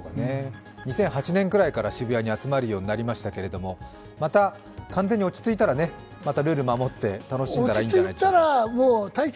２００８年くらいから渋谷に集まるようになりましたけどまた完全に落ち着いたら、ルールを守って楽しんだらいいんじゃないでしょうか。